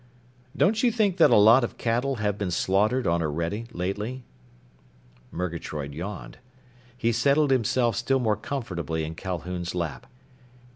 Don't you think that a lot of cattle have been slaughtered on Orede lately?" Murgatroyd yawned. He settled himself still more comfortably in Calhoun's lap.